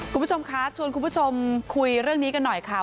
คุณผู้ชมคะชวนคุณผู้ชมคุยเรื่องนี้กันหน่อยค่ะ